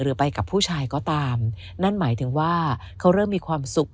ไปกับผู้ชายก็ตามนั่นหมายถึงว่าเขาเริ่มมีความสุข